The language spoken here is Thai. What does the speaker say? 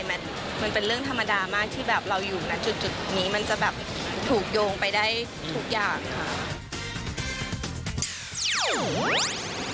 มันเป็นเรื่องธรรมดามากที่แบบเราอยู่นะจุดนี้มันจะแบบถูกโยงไปได้ทุกอย่างค่ะ